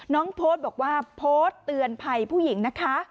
โพสต์บอกว่าโพสต์เตือนภัยผู้หญิงนะคะ